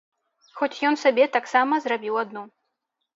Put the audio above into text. Хоць ён сабе таксама зрабіў адну.